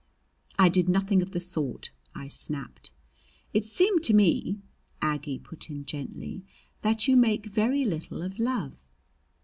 "I did nothing of the sort," I snapped. "It seems to me," Aggie put in gently, "that you make very little of love."